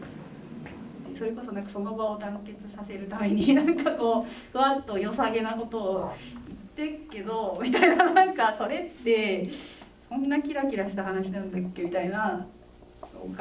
それこそ何かその場を団結させるために何かこうふわっとよさげなことを言ってっけどみたいな何かそれってそんなキラキラした話なんだっけみたいなとか。